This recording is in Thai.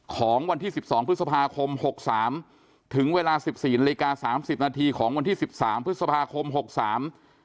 ของวันที่สิบสองพฤษภาคมหกสามถึงเวลาสิบสี่นาฬิกาสามสิบนาทีของวันที่สิบสามพฤษภาคมหกสาม